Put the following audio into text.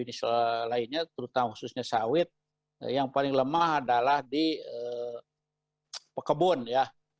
jenis lainnya terutama khususnya sawit yang paling lemah adalah di pekebun ya